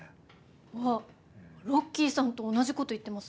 あっロッキーさんと同じこと言ってます。